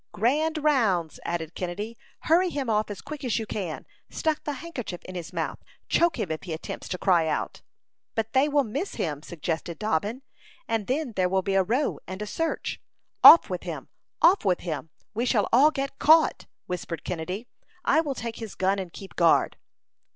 "Grand rounds!" added Kennedy. "Hurry him off as quick as you can. Stuff a handkerchief in his mouth; choke him if he attempts to cry out." "But they will miss him," suggested Dobbin, "and then there will be a row and a search." "Off with him! Off with him! We shall all get caught," whispered Kennedy. "I will take his gun, and keep guard."